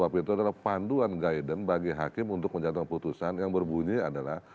satu ratus delapan puluh tiga qhp itu adalah panduan guidance bagi hakim untuk menjatuhkan putusan yang berbunyi adalah